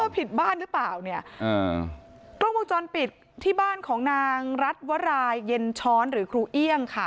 ผิดบ้านหรือเปล่าเนี่ยกล้องวงจรปิดที่บ้านของนางรัฐวรายเย็นช้อนหรือครูเอี่ยงค่ะ